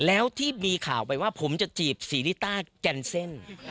แล้วที่มีข่าวไปว่าผมจะจีบศรีริต้าแกนเซ่น